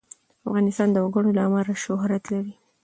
افغانستان د وګړي له امله شهرت لري.